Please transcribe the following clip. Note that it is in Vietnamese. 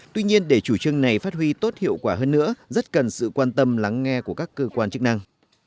tuy nhiên để chủ trương này phát huy tốt hiệu quả hơn nữa rất cần sự quan tâm lắng nghe của các cơ quan chức năng